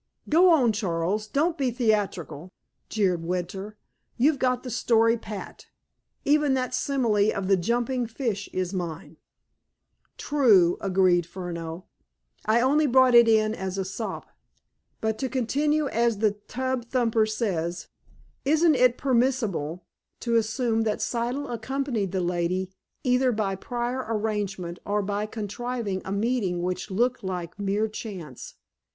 "Go on, Charles; don't be theatrical," jeered Winter. "You've got the story pat. Even that simile of the jumping fish is mine." "True," agreed Furneaux. "I only brought it in as a sop. But, to continue, as the tub thumper says. Isn't it permissible to assume that Siddle accompanied the lady, either by prior arrangement or by contriving a meeting which looked like mere chance?